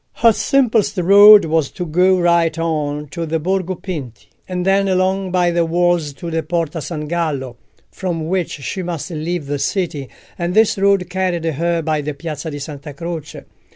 Her simplest road was to go right on to the Borgo Pinti, and then along by the walls to the Porta San Gallo, from which she must leave the city, and this road carried her by the Piazza di Santa Croce.